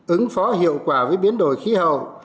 ứng phó hiệu quả với biến đổi khí hậu